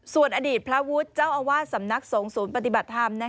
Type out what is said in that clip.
ส่วนอดีตพระวุฒิเจ้าอาวาสสำนักสงฆ์ศูนย์ปฏิบัติธรรม